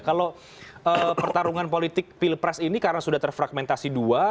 kalau pertarungan politik pilpres ini karena sudah terfragmentasi dua